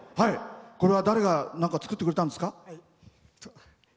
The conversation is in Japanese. これは誰がなんか作ってくれたんですか？